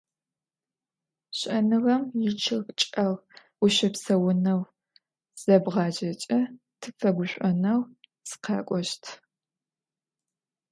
Щыӏэныгъэм ичъыг чӏэгъ ущыпсэунэу зебгъажьэкӏэ тыпфэгушӏонэу тыкъэкӏощт.